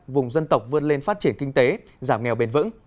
vùng dân tộc vươn lên phát triển kinh tế giảm nghèo bền vững